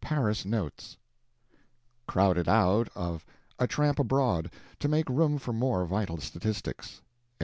PARIS NOTES [Crowded out of "A Tramp Abroad" to make room for more vital statistics.